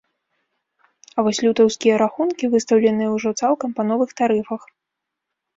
А вось лютаўскія рахункі выстаўленыя ўжо цалкам па новых тарыфах.